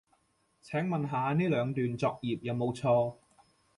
請問下呢兩段作業有冇錯